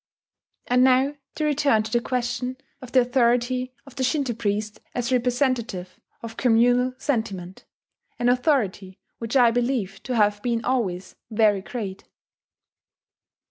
And now to return to the question of the authority of the Shinto priest as representative of communal sentiment, an authority which I believe to have been always very great